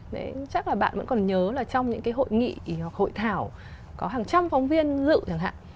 đấy chắc là bạn vẫn còn nhớ là trong những cái hội nghị hoặc hội thảo có hàng trăm phóng viên dự chẳng hạn